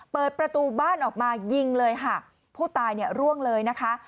เปิดประตูบ้านออกมายิงเลยค่ะผู้ตายเนี่ยร่วงเลยนะคะ